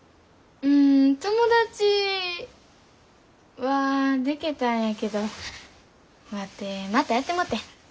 うん友達はでけたんやけどワテまたやってもうてん。